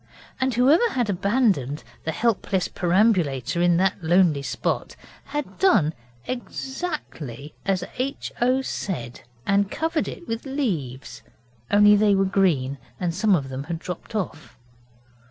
And whoever had abandoned the helpless perambulator in that lonely spot had done exactly as H. O. said, and covered it with leaves, only they were green and some of them had dropped off.